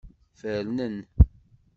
Fernen.